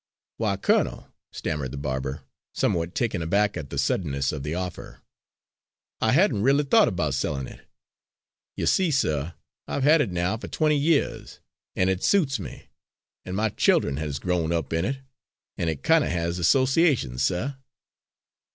"Why, colonel," stammered the barber, somewhat taken aback at the suddenness of the offer, "I hadn' r'ally thought 'bout sellin' it. You see, suh, I've had it now for twenty years, and it suits me, an' my child'en has growed up in it an' it kind of has associations, suh."